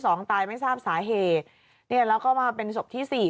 สองได้ไม่ทราบสาเหตุแล้วก็มาเป็นศพที่